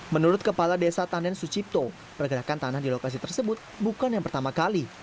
menurut kepala desa tanden sucipto pergerakan tanah di lokasi tersebut bukan yang pertama kali